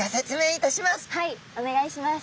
はいお願いします。